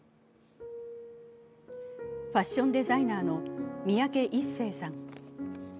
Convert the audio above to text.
ファッションデザイナーの三宅一生さん。